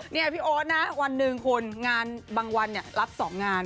นี่พี่โอ๊ตนะวันหนึ่งคุณงานบางวันรับ๒งาน